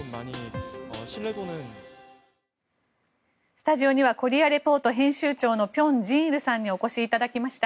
スタジオには「コリア・レポート」編集長の辺真一さんにお越しいただきました。